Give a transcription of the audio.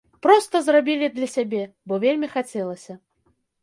Проста зрабілі для сябе, бо вельмі хацелася.